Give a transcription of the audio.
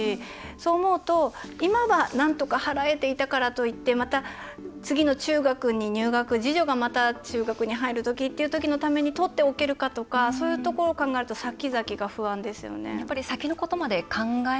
そう思うと、今はなんとか払えていたからといってまた次の中学に入学次女が中学に入るときまでにとっておけるかとかそういうことを考えるとさきざきが不安ですよね。